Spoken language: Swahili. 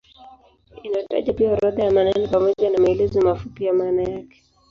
Inataja pia orodha ya maneno pamoja na maelezo mafupi ya maana yake.